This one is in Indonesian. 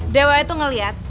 dewa itu ngeliat